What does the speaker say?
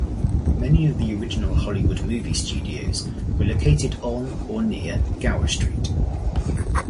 Many of the original Hollywood movie studios were located on or near Gower Street.